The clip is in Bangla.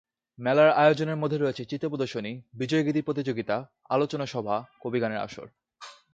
মেলার আয়োজনের মধ্যে রয়েছে চিত্র প্রদর্শনী, বিজয়গীতি প্রতিযোগিতা, আলোচনা সভা, কবি গানের আসর।